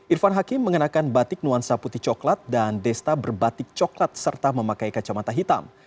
irfan hakim mengenakan batik nuansa putih coklat dan desta berbatik coklat serta memakai kacamata hitam